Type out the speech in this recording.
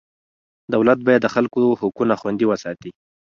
دولت باید د خلکو حقونه خوندي وساتي.